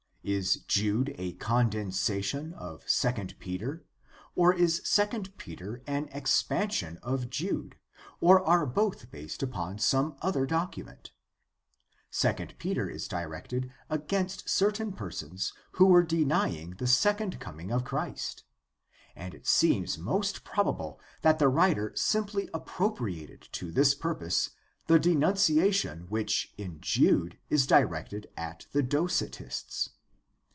Is Jude a condensation of II Peter, or is II Peter an expansion of Jude, or are both based upon some other document ? II Peter is directed against certain persons who were denying the second coming of Christ, and it seems most probable that the writer simply appropriated to this purpose the denunciation which in Jude is directed at the Docetists.